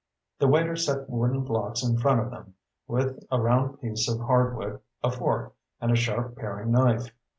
The waiter set wooden blocks in front of them, with a round piece of hardwood, a fork, and a sharp paring knife.